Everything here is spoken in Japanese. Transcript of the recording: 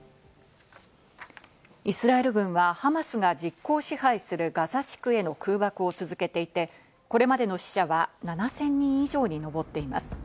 イスラエル軍はハマスが実効支配するガザ地区への空爆を続けていて、これまでの死者は７０００人以上に上っています。